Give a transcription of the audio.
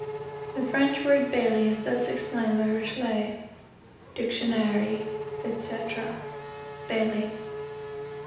The French word bailli is thus explained by Richelet, (Dictionaire, &e.:) Bailli.